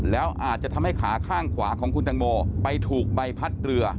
แล้วอาจจะทำให้ขาข้างขวาของคุณตังโมไปถูกใบพัดเรือ